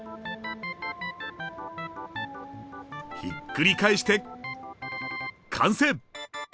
ひっくり返して完成！